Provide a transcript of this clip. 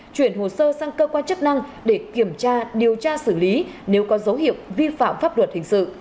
chuyển hồ sơ sang cơ quan chức năng để kiểm tra điều tra xử lý nếu có dấu hiệu vi phạm pháp luật hình sự